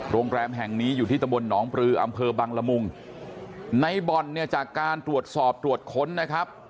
โรงแรมแห่งนี้อยู่ที่ตะบนหนองปลืออำเภอบังละมุงในบ่อนเนี่ยจากการตรวจสอบตรวจค้นนะครับ